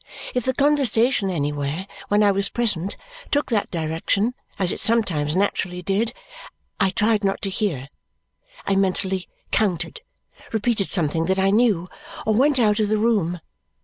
If the conversation anywhere, when I was present, took that direction, as it sometimes naturally did, I tried not to hear: I mentally counted, repeated something that I knew, or went out of the room.